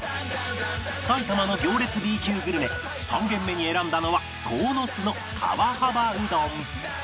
埼玉の行列 Ｂ 級グルメ３軒目に選んだのは鴻巣の川幅うどん